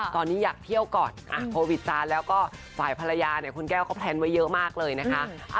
ตอนนี้อยากเที่ยวก่อนโควิดซ้าแล้วก็ฝ่ายภรรยาเนี่ยคุณแก้วเขาแพลนไว้เยอะมากเลยนะคะ